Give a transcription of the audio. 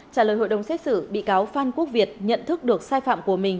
trả lời hội đồng xét xử bị cáo phan quốc việt nhận thức được sai phạm của mình